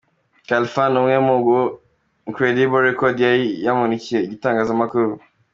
Khalfan ni umwe mubo Incredible Record yari yamurikiye itangazamakuru.